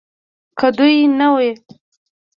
که دوی نه وي